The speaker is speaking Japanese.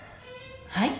はい？